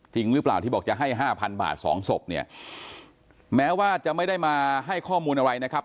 จริงหรือเปล่าที่บอกจะให้ห้าพันบาทสองศพเนี่ยแม้ว่าจะไม่ได้มาให้ข้อมูลอะไรนะครับ